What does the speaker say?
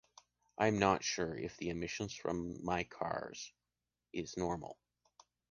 I am not sure if the emission from my car’s is normal.